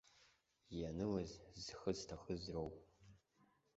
Ианылаз зхы зҭахыз роуп.